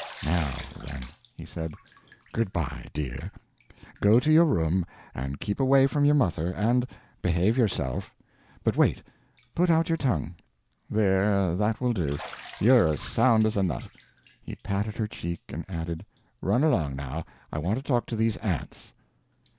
"Now, then;" he said, "good by, dear. Go to your room, and keep away from your mother, and behave yourself. But wait put out your tongue. There, that will do you're as sound as a nut!" He patted her cheek and added, "Run along now; I want to talk to these aunts."